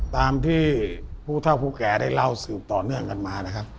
ตามที่ผู้เท่าผู้แก่ได้เล่าสืบต่อเนื่องกันมานะครับ